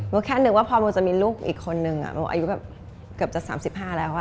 แค่นึกว่าพอโมจะมีลูกอีกคนนึงโมอายุแบบเกือบจะ๓๕แล้ว